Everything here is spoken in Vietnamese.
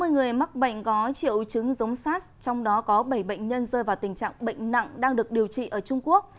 sáu mươi người mắc bệnh có triệu chứng giống sars trong đó có bảy bệnh nhân rơi vào tình trạng bệnh nặng đang được điều trị ở trung quốc